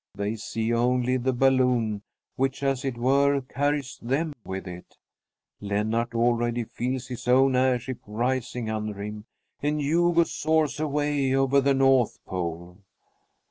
They see only the balloon, which as it were carries them with it. Lennart already feels his own airship rising under him, and Hugo soars away over the North Pole.